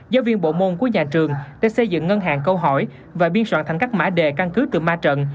giáo viên bộ môn của nhà trường đã xây dựng ngân hàng câu hỏi và biên soạn thành các mã đề căn cứ từ ma trận